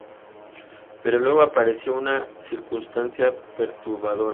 Pero luego apareció una circunstancia perturbadora.